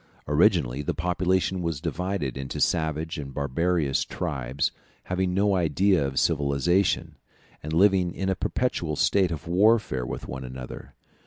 Originally the population was divided into savage and barbarous tribes, having no idea of civilization, and living in a perpetual state of warfare with one another.